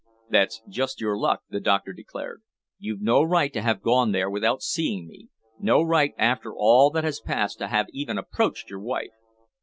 "That's just your luck," the doctor declared. "You've no right to have gone there without seeing me; no right, after all that has passed, to have even approached your wife."